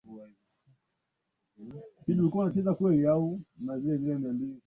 kwa uchaguzi mkuu ambao unataraji kuwa mgumu